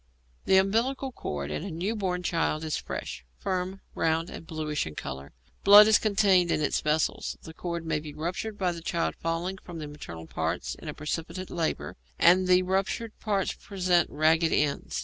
The umbilical cord in a new born child is fresh, firm, round, and bluish in colour; blood is contained in its vessels. The cord may be ruptured by the child falling from the maternal parts in a precipitate labour, and the ruptured parts present ragged ends.